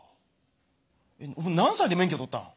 何歳で免許取ったの？